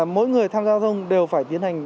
mỗi người tham gia thông đều phải tiến hành